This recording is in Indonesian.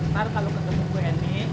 ntar kalo ketemu gue ini